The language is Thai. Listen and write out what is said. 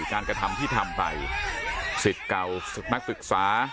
การกระทำที่ทำไปศิษย์เก่าศิษย์นักศึกษา